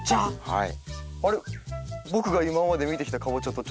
はい。